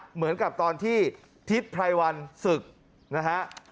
เหมือนกับตอนที่ทิศไพรวันศึกนะฮะ